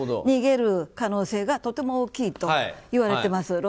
逃げる可能性がとても大きいといわれています。